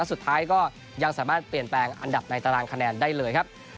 สุดท้ายก็ยังสามารถเปลี่ยนแปลงอันดับในตารางคะแนนได้เลยครับ